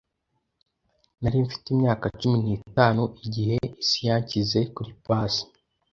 Nari mfite imyaka cumi n'itanu igihe isi yanshyize kuri pase